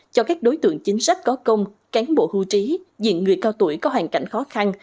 cho các đối tượng chính sách có công cán bộ hưu trí diện người cao tuổi có hoàn cảnh khó khăn